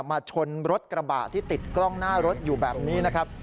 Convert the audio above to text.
ชนรถกระบะที่ติดกล้องหน้ารถอยู่แบบนี้นะครับ